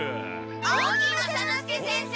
大木雅之助先生！